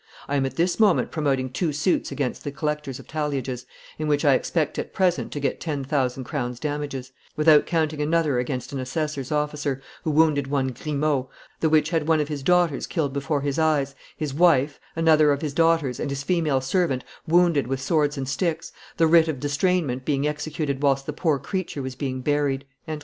"I am at this moment promoting two suits against the collectors of talliages, in which I expect at present to get ten thousand crowns' damages, without counting another against an assessor's officer, who wounded one Grimault, the which had one of his daughters killed before his eyes, his wife, another of his daughters, and his female servant wounded with swords and sticks, the writ of distrainment being executed whilst the poor creature was being buried."